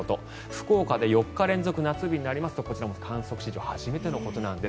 福岡で４日連続夏日になるとこちらも観測史上初めてのことなんです。